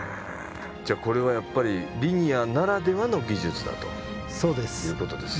じゃあこれはやっぱりリニアならではの技術だということですね。